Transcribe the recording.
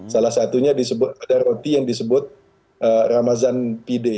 salah satunya ada roti yang disebut ramadhan pide